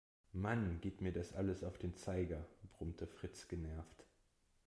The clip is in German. Mann, geht mir das alles auf den Zeiger, brummte Fritz genervt.